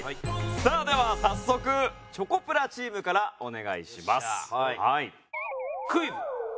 さあでは早速チョコプラチームからお願いします。